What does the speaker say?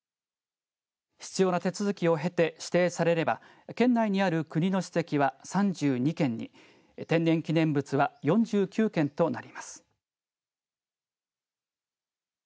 必要な手続きを経て指定されれば県内にある国の史跡は３２件に、天然記念物は４９件となります。